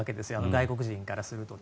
外国人からすると。